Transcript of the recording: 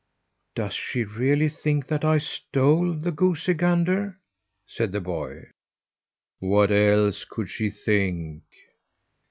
"Does she really think that I stole the goosey gander?" said the boy. "What else could she think?"